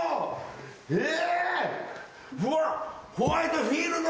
えっ！